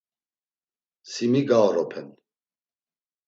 Si mi gaoropen?